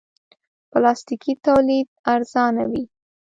پلاستيکي تولید ارزانه وي.